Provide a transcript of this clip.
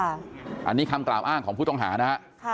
อันนี้คำกล่าวอ้างของผู้ต้องหานะฮะ